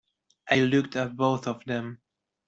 I looked at both of them.